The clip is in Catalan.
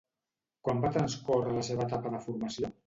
Quan va transcórrer la seva etapa de formació?